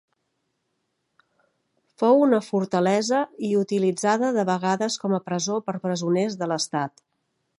Fou una fortalesa i utilitzada de vegades com a presó per presoners de l'estat.